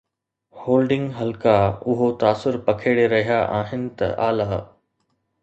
holding حلقا اهو تاثر پکيڙي رهيا آهن ته اعليٰ